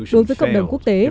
đối với cộng đồng quốc tế